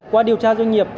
qua điều tra doanh nghiệp